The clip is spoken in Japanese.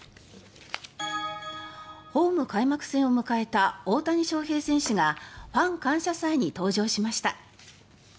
ホーム開幕戦を迎えた大谷翔平選手がファン感謝祭に登場しました。